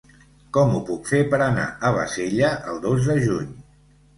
Com ho puc fer per anar a Bassella el dos de juny?